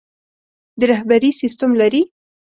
د رهبري سسټم لري.